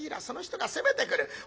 その人が攻めてくる。